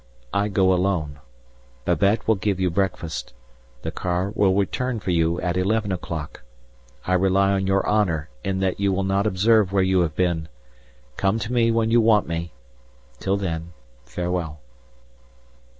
I go alone. Babette will give you breakfast. The car will return for you at eleven o'clock. I rely on your honour in that you will not observe where you have been. Come to me when you want me till then, farewell."